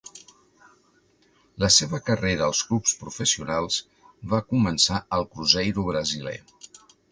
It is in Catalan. La seva carrera als clubs professionals va començar al Cruzeiro brasiler.